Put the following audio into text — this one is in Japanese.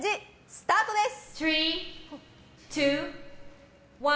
スタートです！